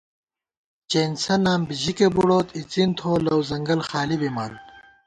چېنسہ نام بی ژِکےبُڑوت ، اِڅِن تھوَہ لَؤ ځنگل خالی بِمان